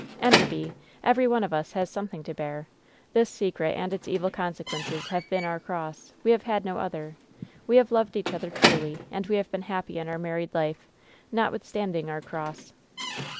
"Enderby, every one of us has something to bear. This secret and its evil consequences have been our cross. We have had no other. We have loved each other truly, and we have been happy in our married life, notwith standing our cross."